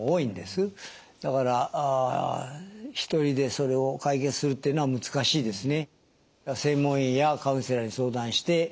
だから一人でそれを解決するっていうのは難しいですね。